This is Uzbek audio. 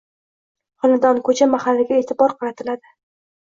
xonadon, ko‘cha, mahallaga e'tibor qaratiladi.